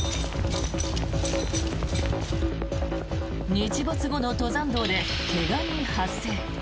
日没後の登山道で怪我人発生。